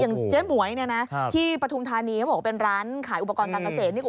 อย่างเจ๊หมวยเนี่ยนะที่ปทุมธานีเป็นร้านขายอุปกรณ์การเกษตร